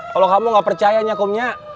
kalau kamu nggak percaya nyakumnya